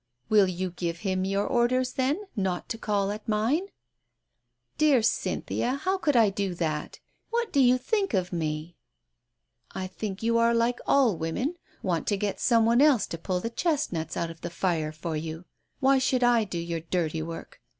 "Will you give him your orders, then, not to call at mine ?"" Dear Cynthia, how could I do that ? What do you think of me ?" "I think you are like all women — want to get some one else to pull the chestnuts out of the fire for you. Why should I do your dirty work